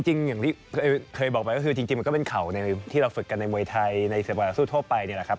อย่างที่เคยบอกไปก็คือจริงมันก็เป็นเข่าที่เราฝึกกันในมวยไทยในศึกบอลนักสู้ทั่วไปนี่แหละครับ